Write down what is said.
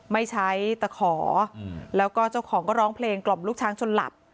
ไม่ใช้ตะขอแล้วก็เจ้าของก็ร้องเพลงกล่อมลูกช้างจนหลับ